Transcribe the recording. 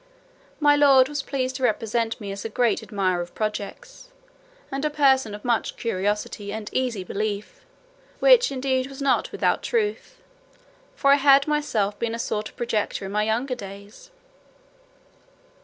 My lord was pleased to represent me as a great admirer of projects, and a person of much curiosity and easy belief; which, indeed, was not without truth; for I had myself been a sort of projector in my younger days.